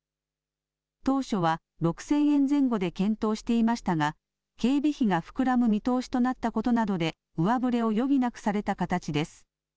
当初は、６０００円前後で検討していましたが、警備費が膨らむ見通しとなったことなどで上振れを余儀なくされた形です。